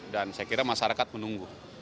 dan saya kira masyarakat menunggu